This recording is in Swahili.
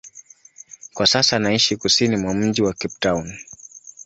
Kwa sasa anaishi kusini mwa mji wa Cape Town.